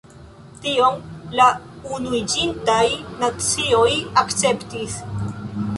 Tion la Unuiĝintaj Nacioj akceptis.